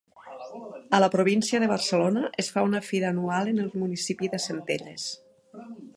A la província de Barcelona es fa una fira anual en el municipi de Centelles.